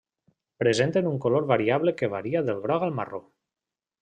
Presenten un color variable que varia del groc al marró.